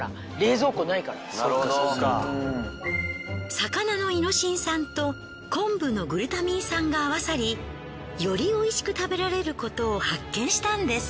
魚のイノシン酸と昆布のグルタミン酸が合わさりよりおいしく食べられることを発見したんです。